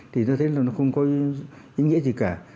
thì tôi thấy là nó không có ý nghĩa gì cả